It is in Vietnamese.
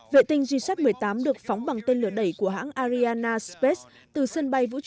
vệ tinh g sat một mươi tám được phóng bằng tên lửa đẩy của hãng ariana space